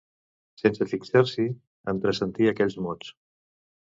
Sense fixar-s'hi, entresentí aquells mots.